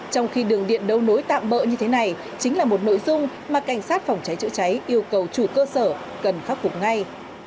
trong khi đường điện đấu nối tạm bỡ như thế này chính là một nội dung mà cảnh sát phòng cháy chữa cháy yêu cầu chủ cơ sở cần khắc phục ngay